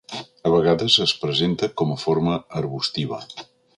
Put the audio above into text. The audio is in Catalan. A vegades es presenta com a forma arbustiva.